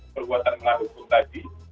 perbuatan melah hukum tadi